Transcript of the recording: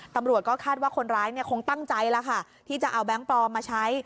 ตำรวจก็คาดว่าคนร้ายเนี่ยคงตั้งใจแล้วค่ะที่จะเอาแบงค์ปลอมมาใช้